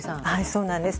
そうなんです。